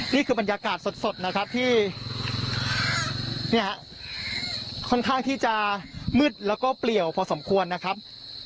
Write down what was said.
นี่คือบรรยากาศสดนะครับที่ค่อนข้างที่จะมืดแล้วก็เปลี่ยวพอสมควรนะครับ